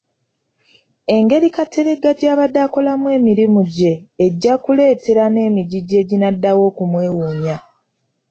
Engeri Kateregga gy’abadde akolamu emirimu gye ejja kuleetera n’emigigi eginaddawo okumwewuunya.